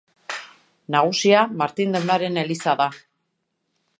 Nagusia Martin Deunaren Eliza da.